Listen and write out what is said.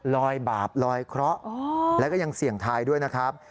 บาปลอยเคราะห์แล้วก็ยังเสี่ยงทายด้วยนะครับ